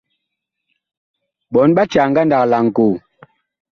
Ɓɔɔŋ ɓa caa ngandag laŋkoo.